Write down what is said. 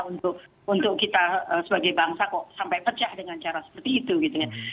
untuk kita sebagai bangsa kok sampai pecah dengan cara seperti itu gitu ya